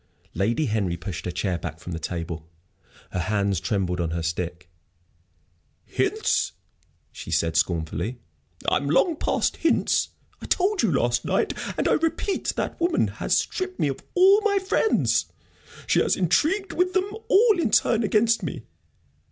Lady Henry pushed her chair back from the table. Her hands trembled on her stick. "Hints!" she said, scornfully. "I'm long past hints. I told you last night and I repeat that woman has stripped me of all my friends! She has intrigued with them all in turn against me.